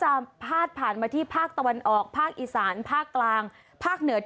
ฮัลโหลฮัลโหลฮัลโหลฮัลโหลฮัลโหล